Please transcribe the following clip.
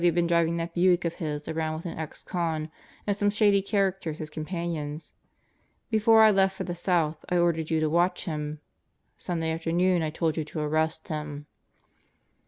<id been driving that Buick of his around with an ex con and flie shady characters as companions. Before I left for the South I ordered you to watch him. Sunday afternoon I told you to arrest him."